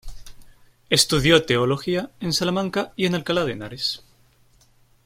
Estudió teología en Salamanca y en Alcalá de Henares.